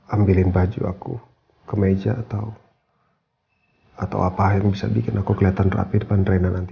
ambilin baju aku ke meja atau apa yang bisa bikin aku kelihatan rapi depan drena nanti